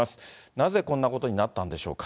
なぜこんなことになったんでしょうか。